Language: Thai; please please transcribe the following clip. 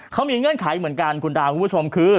เขามีเงื่อนไขเหมือนกันคุณดาวคุณผู้ชมคือ